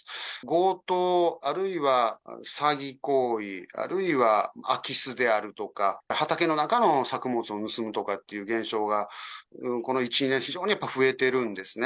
強盗、あるいは詐欺行為、あるいは空き巣であるとか、畑の中の作物を盗むとかっていう現象が、この１、２年、非常に増えてるんですね。